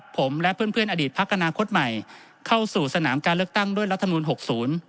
ผมและเพื่อนเพื่อนอดีตพักอนาคตใหม่เข้าสู่สนามการเลือกตั้งด้วยรัฐมนูลหกศูนย์